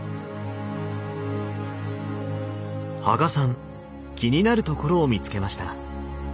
羽賀さん気になるところを見つけました。